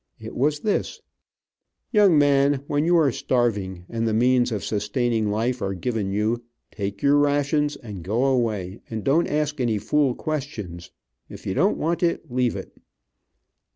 It was this: "Young man, when you are starving, and the means of sustaining life are given you, take your rations and go away, and don't ask any fool questions. If you don't want it, leave it."